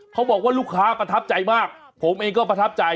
เขาบอกว่าลูกค้าประทับใจมากผมเองก็ประทับใจ